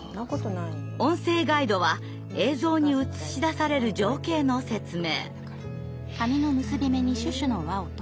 音声ガイドは映像に映し出される情景の説明。